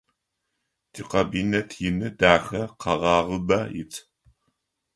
Тикабинет ины, дахэ, къэгъагъыбэ ит.